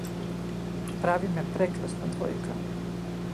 Правиме прекрасна двојка.